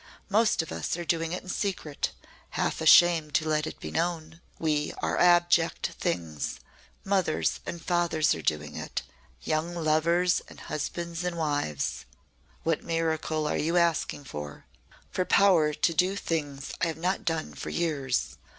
Most of us are doing it in secret half ashamed to let it be known. We are abject things. Mothers and fathers are doing it young lovers and husbands and wives." "What miracle are you asking for?" "For power to do things I have not done for years.